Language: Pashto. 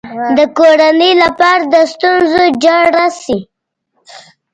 د کورنۍ لپاره د ستونزو جرړه شي.